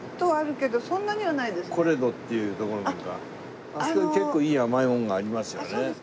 コレドっていう所なんかあそこ結構いい甘いものがありますよね。